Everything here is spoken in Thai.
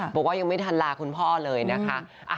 บอกว่ายังไม่ทันลาคุณพ่อเลยนะคะ